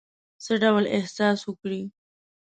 څه ډول احساس وکړی.